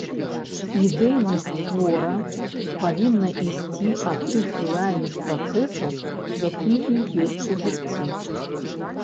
Ідэйнасць твора павінна ісці ад тых рэальных працэсаў, якія ёсць у жыцці.